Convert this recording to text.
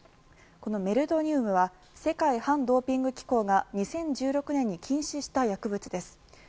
このメルドニウムは世界反ドーピング機構が２０１６年に禁止した薬物です。